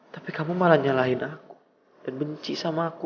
tapi kamu malah nyalahin aku dan benci sama aku